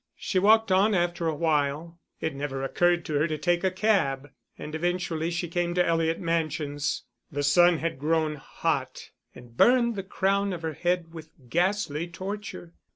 She walked on after a while; it never occurred to her to take a cab, and eventually she came to Eliot Mansions. The sun had grown hot, and burned the crown of her head with ghastly torture.